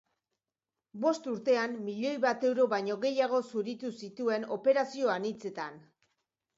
Bost urtean, milioi bat euro baino gehiago zuritu zituen operazio anitzetan.